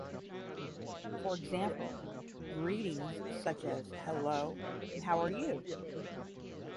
For example, greetings such as "hello" and "how are you?